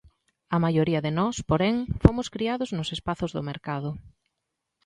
A maioría de nós, porén, fomos criados nos espazos do mercado.